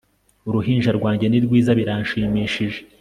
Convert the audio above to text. uruhinja rwanjye ni rwiza! biranshimishije